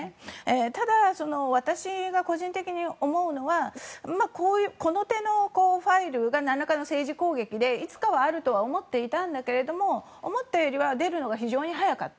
ただ、私が個人的に思うのはこの手のファイルが何らかの政治攻撃でいつかはあると思っていたんだけれど思ったよりは出るのが非常に早かった。